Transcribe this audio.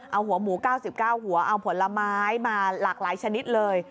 เอาหัวหมู๙๙หัวเอาผลไม้มาหลากหลายชนิดเลย